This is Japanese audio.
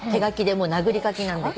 もう殴り書きなんだけど。